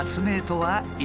はい。